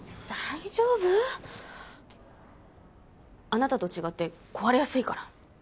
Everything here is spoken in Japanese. あなたと違って壊れやすいから。